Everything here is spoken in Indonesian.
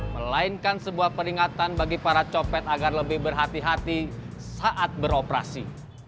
melainkan sebuah peringatan bagi para copet agar lebih berhati hati saat beroperasi